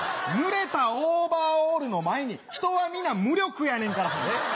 濡れたオーバーオールの前に人は皆無力やねんから。